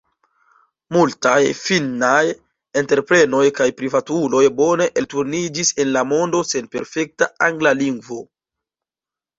Multaj finnaj entreprenoj kaj privatuloj bone elturniĝis en la mondo sen perfekta angla lingvo.